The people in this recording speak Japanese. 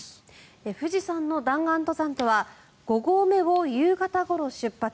富士山の弾丸登山とは５合目を夕方ごろ出発。